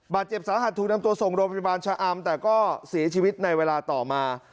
บาดเจ็บสาหัสถูกนำตัวส่งโรงพยาบาลชะอำแต่ก็เสียชีวิตในเวลาต่อมา